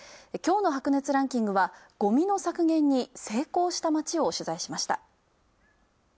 きょうの「白熱！ランキング」は、ゴミの削減に成功した街を取材しました。